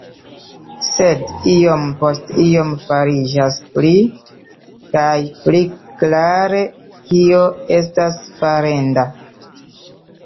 Sed iom post iom fariĝas pli kaj pli klare kio estas farenda.